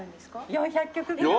４００曲ぐらい。